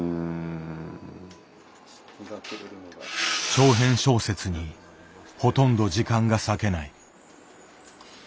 長編小説にほとんど時間が割けない。